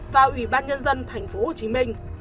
và ủy ban nhân dân thành phố hồ chí minh